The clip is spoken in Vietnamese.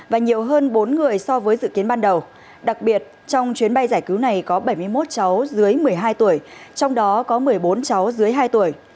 và nhiều hơn bốn người so với dự kiến ban đầu đặc biệt trong chuyến bay giải cứu này có bảy mươi một cháu dưới một mươi hai tuổi trong đó có một mươi bốn cháu dưới hai tuổi